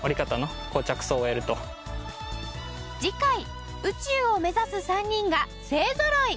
次回宇宙を目指す３人が勢ぞろい！